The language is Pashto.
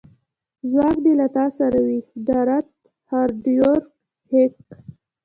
ځواک دې له تا سره وي ډارت هارډویر هیک